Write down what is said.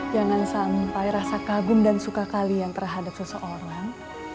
jangan sampai rasa kagum dan suka kalian terhadap seseorang